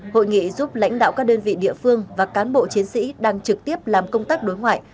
hội nghị giúp lãnh đạo các đơn vị địa phương và cán bộ chiến sĩ đang trực tiếp làm công tác đối ngoại